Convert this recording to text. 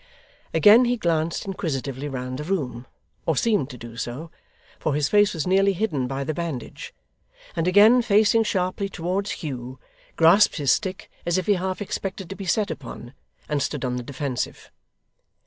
Again he glanced inquisitively round the room or seemed to do so, for his face was nearly hidden by the bandage and again facing sharply towards Hugh, grasped his stick as if he half expected to be set upon, and stood on the defensive.